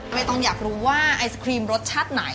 ไม่ต้องอยากรู้ว่าไอศครีมรสชาติไหน